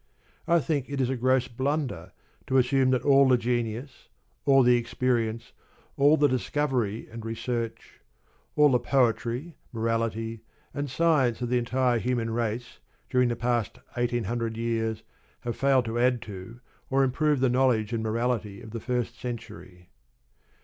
I think it is a gross blunder to assume that all the genius, all the experience, all the discovery and research; all the poetry, morality, and science of the entire human race during the past eighteen hundred years have failed to add to or improve the knowledge and morality of the first century.